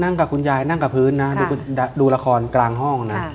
กับคุณยายนั่งกับพื้นนะดูละครกลางห้องนะ